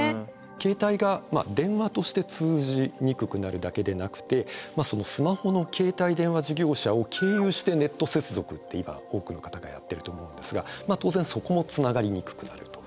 携帯が電話として通じにくくなるだけでなくてスマホの携帯電話事業者を経由してネット接続って今多くの方がやってると思うんですが当然そこもつながりにくくなると。